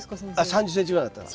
３０ｃｍぐらいになったら。